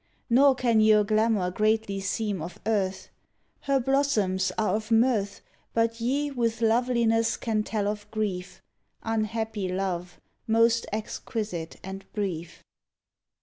Nor can your glamour greatly seem of earth: Her blossoms are of mirth. But ye with loveliness can tell of grief — Unhappy love most exquisite and brief.